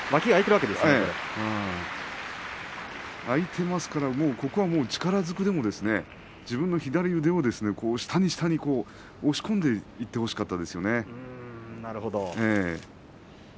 空いてますからここは力ずくでも自分の左腕を下に下に押し込んでいってほしかったですね。